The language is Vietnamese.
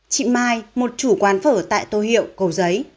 chị mai một chủ quán phở tại tô hiệu cầu giấy